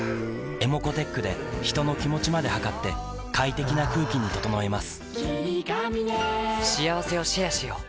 ｅｍｏｃｏーｔｅｃｈで人の気持ちまで測って快適な空気に整えます